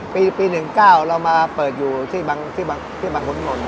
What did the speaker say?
ปี๑๙เรามาเปิดอยู่ที่บังขุนพิมล